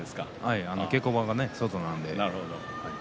稽古場がね、外なので。